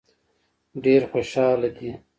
ډېر خوشاله دي.